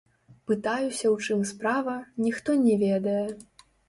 Пытаюся ў чым справа, ніхто не ведае.